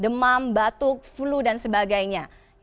demam batuk flu dan sebagainya